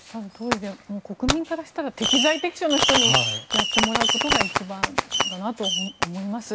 国民からしたら適材適所の人にやってもらうことが一番だなと思います。